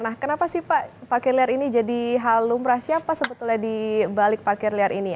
nah kenapa sih pak parkir liar ini jadi hal lumrah siapa sebetulnya di balik parkir liar ini